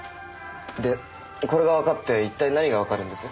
でこれがわかって一体何がわかるんです？